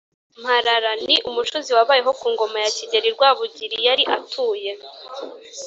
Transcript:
mparara: ni umucuzi wabayeho ku ngoma ya kigeri wa rwabugili yari atuye